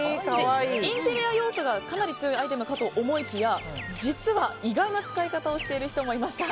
インテリア要素がかなり強いアイテムかと思いきや実は、意外な使い方をしている人もいました。